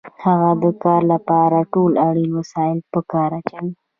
هغه د کار لپاره ټول اړین وسایل په کار اچوي